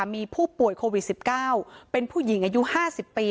มีผู้ป่วยโควิด๑๙เป็นผู้หญิงอายุ๕๐ปี